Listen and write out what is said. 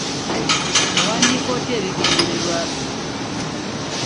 Owandiika otya ebigendererwa byo?